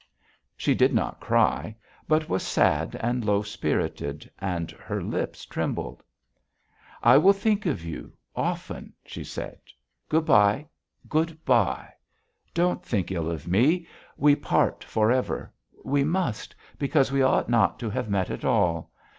She did not cry, but was sad and low spirited, and her lips trembled. "I will think of you often," she said. "Good bye. Good bye. Don't think ill of me. We part for ever. We must, because we ought not to have met at all.